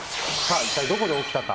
どこで起きたか。